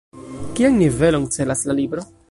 Kian nivelon celas la libro?